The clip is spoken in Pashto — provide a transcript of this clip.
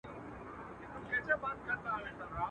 نن هغه توره د ورور په وينو سره ده.